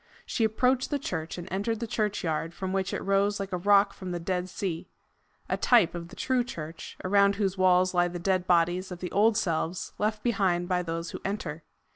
She approached the church, and entered the churchyard from which it rose like a rock from the Dead Sea a type of the true church, around whose walls lie the dead bodies of the old selves left behind by those who enter.